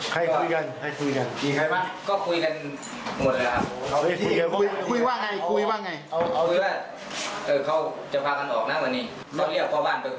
ใครคนเรียก